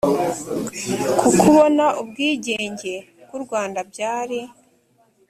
ko kubona ubwigenge k u rwanda byari